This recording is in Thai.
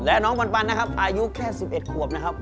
และน้องปันนะครับอายุแค่๑๑ขวบนะครับ